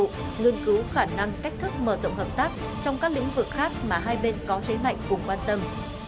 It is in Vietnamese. nghiên cứu khả năng cách thức mở rộng hợp tác trong các lĩnh vực khác mà hai bên có thế mạnh cùng quan tâm